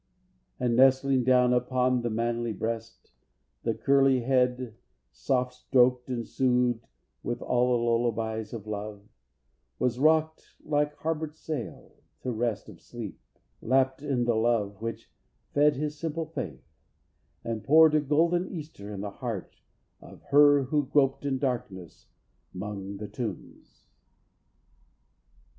And nestling down upon The manly breast, the curly head, soft stroked, And soothed with all the lullabies of love, Was rocked, like harbored sail, to rest of sleep, Lapt in the love which fed his simple faith, And poured a golden Easter in the heart Of her who groped in darkness 'mong the tombs.